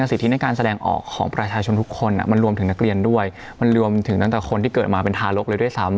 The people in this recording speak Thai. สิทธิในการแสดงออกของประชาชนทุกคนมันรวมถึงนักเรียนด้วยมันรวมถึงตั้งแต่คนที่เกิดมาเป็นทารกเลยด้วยซ้ำ